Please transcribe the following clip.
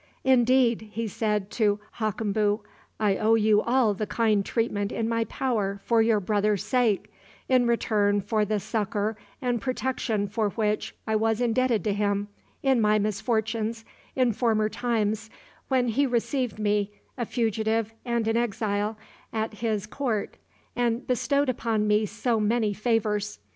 "Indeed," said he to Hakembu, "I owe you all the kind treatment in my power for your brother's sake, in return for the succor and protection for which I was indebted to him, in my misfortunes, in former times, when he received me, a fugitive and an exile, at his court, and bestowed upon me so many favors.